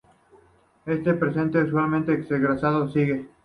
Este parentesco es usualmente expresados como sigue.